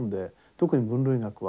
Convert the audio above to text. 特に分類学は。